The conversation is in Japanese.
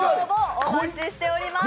お待ちしております。